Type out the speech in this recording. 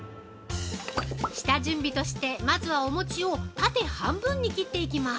下準備として、まずはお餅を縦半分に切っていきます。